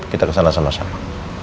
kita kesana sama sama